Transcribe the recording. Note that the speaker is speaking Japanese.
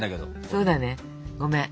そうだねごめん。